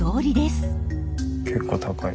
結構高い。